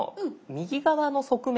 右側の側面。